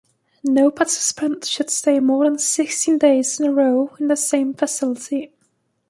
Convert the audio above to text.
No participant should stay more than sixteen days in a row in the same facility.